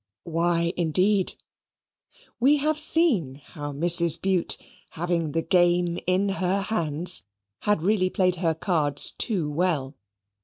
Why, indeed? We have seen how Mrs. Bute, having the game in her hands, had really played her cards too well.